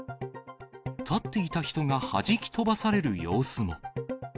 立っていた人がはじき飛ばされる様子も。